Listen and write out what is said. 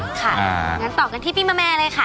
ค่ะงั้นต่อกันที่ปีเมมีย์เลยค่ะ